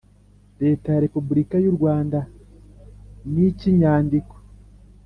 Leta ya repubulika y u rwanda n icy inyandiko